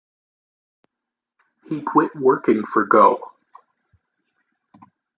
He quit working for Go!